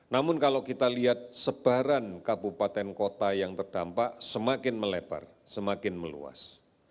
namun kalau kita lihat sebaran kabupaten kota yang terdampak semakin melebar semakin meluas